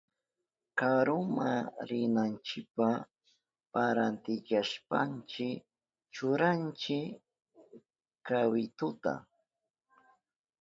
Karuma rinanchipa parantillashpanchi churanchi kawituta.